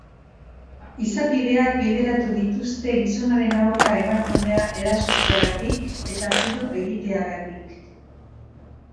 Izapideak bideratu dituzte gizonaren aurka emakumea erasotzeagatik eta tiro egiteagatik.